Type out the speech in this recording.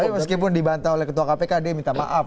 meskipun dibantah oleh ketua kpk dia minta maaf